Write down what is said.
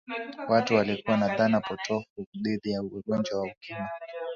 watu walikuwa na dhana potofu dhidi ya wagonjwa wa ukimwi